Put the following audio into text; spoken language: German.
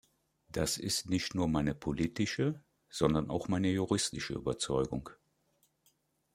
Das ist nicht nur meine politische, sondern auch meine juristische Überzeugung.